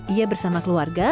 ia bersama keluarga